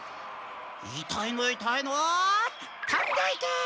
いたいのいたいのとんでいけ！